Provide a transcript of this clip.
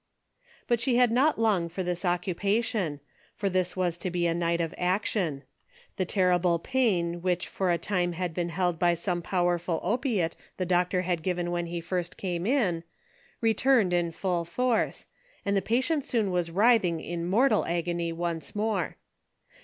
But she had not long for this occupation, for this was to be a night of action. The ter rible pain which for a time had been held by some powerful opiate the doctor had given when he first came in, returned in full force, and the patient soon was writhing in mortal agony once more.